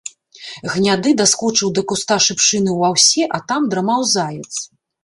Гняды даскочыў да куста шыпшыны ў аўсе, а там драмаў заяц.